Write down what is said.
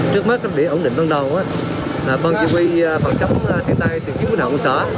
trước mắt các địa ổn định ban đầu con chỉ huy phòng chống thiên tai từ chính quyền hậu của xã